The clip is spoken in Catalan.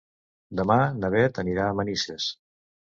Demà na Bet anirà a Manises.